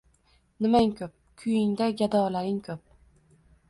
Nimang ko’p, ko’yingda gadolaring ko’p